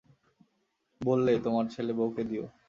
বললে, তোমার ছেলের বউকে দিয়ো।